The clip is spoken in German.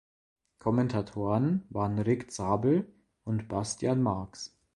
Kommentatoren waren Rick Zabel und Bastian Marks.